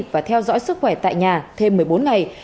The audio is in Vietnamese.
và theo dõi sức khỏe tại nhà thêm một mươi bốn ngày